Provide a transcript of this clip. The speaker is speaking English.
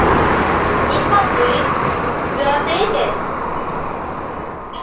"Incomplete - to be updated"